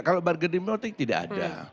kalau bargain politik tidak ada